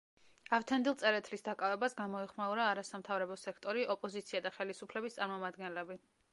ავთანდილ წერეთლის დაკავებას გამოეხმაურა არასამთავრობო სექტორი, ოპოზიცია და ხელისუფლების წარმომადგენლები.